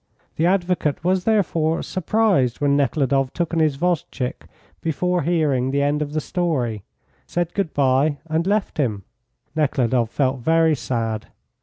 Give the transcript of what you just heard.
The advocate was therefore surprised when Nekhludoff took an isvostchik before hearing the end of the story, said good bye, and left him. Nekhludoff felt very sad.